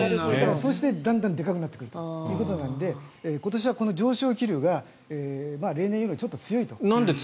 そして、だんだんでかくなってくるということなので今年は上昇気流が例年よりもちょっと強いと。